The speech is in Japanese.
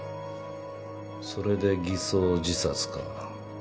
それで偽装自殺か。